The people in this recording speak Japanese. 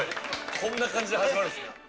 こんな感じで始まるんですね。